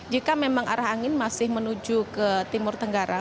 jika memang arah angin masih menuju ke timur tenggara